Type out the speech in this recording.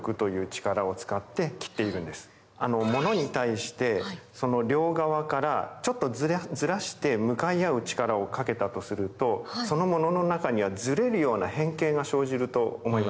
モノに対してその両側からちょっとずらして向かい合う力をかけたとするとそのモノの中にはズレるような変形が生じると思いますよね。